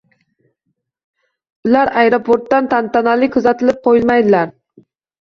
Ular aeroportdan tantanali kuzatib qoʻyilmaydilar.